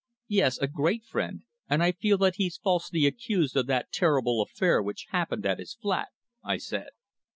"Yes, a great friend, and I feel that he's falsely accused of that terrible affair which happened at his flat," I said.